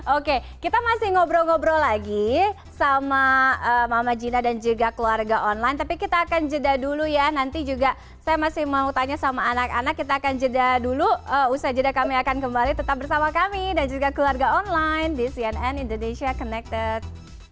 oke kita masih ngobrol ngobrol lagi sama mama gina dan juga keluarga online tapi kita akan jeda dulu ya nanti juga saya masih mau tanya sama anak anak kita akan jeda dulu usai jeda kami akan kembali tetap bersama kami dan juga keluarga online di cnn indonesia connected